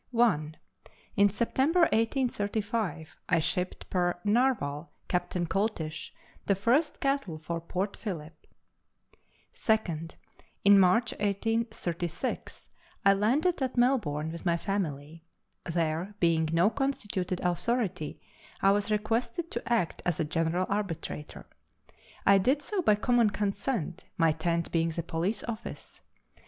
1. In September 1835 I shipped per Norval, Capt. Coltish, the first cattle for Port Phillip. 2. In March 1836 1 landed at Melbourne with my family. There being no constituted authority, I was requested to act as a general arbitrator. I did so by common consent, my tent being the police office.